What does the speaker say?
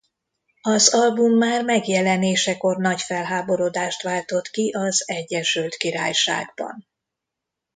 Az album már megjelenésekor nagy felháborodást váltott ki az Egyesült Királyságban.